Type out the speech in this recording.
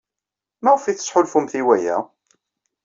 Maɣef ay tettḥulfumt i waya?